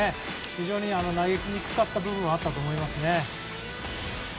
非常に投げにくかった部分があったと思います。